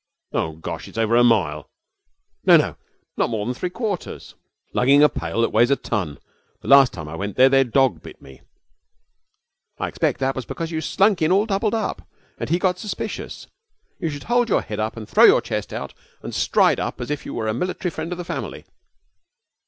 'Oh, gosh, it's over a mile!' 'No, no, not more than three quarters.' 'Lugging a pail that weighs a ton! The last time I went there their dog bit me.' 'I expect that was because you slunk in all doubled up, and he got suspicious. You should hold your head up and throw your chest out and stride up as if you were a military friend of the family.'